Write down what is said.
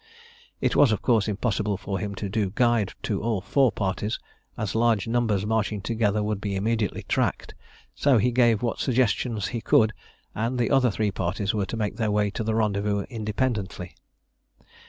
It was of course impossible for him to do guide to all four parties, as large numbers marching together would be immediately tracked; so he gave what suggestions he could, and the other three parties were to make their way to the rendezvous independently.